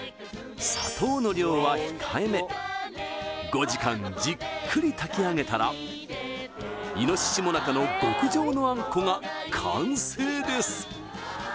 砂糖の量は控えめ５時間じっくり炊き上げたら猪最中の極上のあんこが完成です